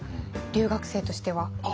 留学生としては。